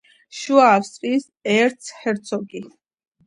შუა ავსტრიის ერცჰერცოგი.